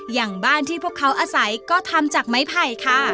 อย่างบ้านที่พวกเขาอาศัยก็ทำจากไม้ไผ่ค่ะ